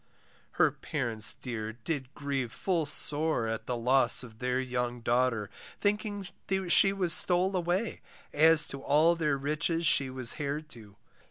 Her parents dear did grieve full sore, at The loss of their young daughter, Thinking she was stole away, as To all their riches she was heir to.